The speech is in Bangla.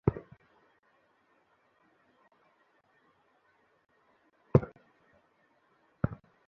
তবে একটি হাসপাতালের পার্কিংয়ের জায়গা যেমন থাকার কথা, হাসপাতালে তেমনটি নেই।